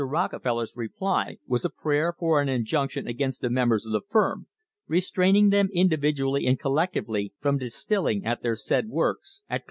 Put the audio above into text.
Rockefeller's reply was a prayer for an injunction against the members of the firm, restraining them individu ally and collectively "from distilling at their said works at WILLIAM C.